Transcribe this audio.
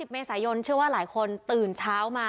เมษายนเชื่อว่าหลายคนตื่นเช้ามา